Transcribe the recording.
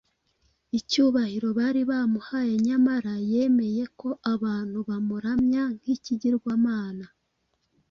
icyubahiro bari bamuhaye nyamara yemeye ko abantu bamuramya nk’ikigirwamana.